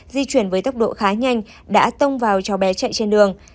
di chuyển với tốc độ khá nhanh đã tông vào cháu bé chạy trên đường